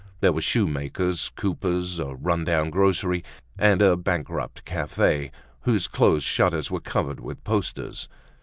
There were shoemakers, coopers, a run down grocery, and a bankrupt cafe whose closed shutters were covered with posters.